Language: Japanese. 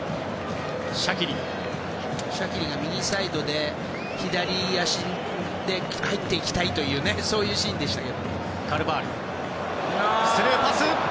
シャキリが右サイドで左足で入っていきたいというそういうシーンでしたね。